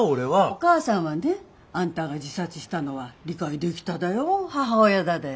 お母さんはねあんたが自殺したのは理解できただよ母親だで。